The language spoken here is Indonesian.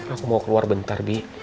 aku mau keluar bentar bi